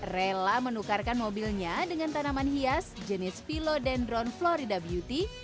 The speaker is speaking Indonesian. rela menukarkan mobilnya dengan tanaman hias jenis philodendron florida beauty